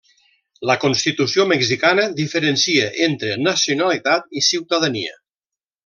La constitució mexicana diferencia entre nacionalitat i ciutadania.